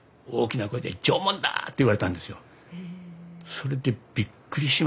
それでびっくりしましてね